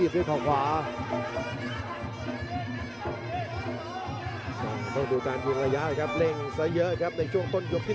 ต้องดูการยิงระยะครับเร่งซะเยอะครับในช่วงต้นยกที่๑